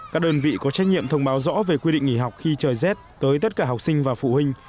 các đơn vị có trách nhiệm thông báo rõ về quy định nghỉ học khi trời rét tới tất cả học sinh và phụ huynh